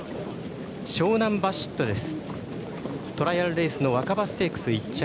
ショウナンバシットです。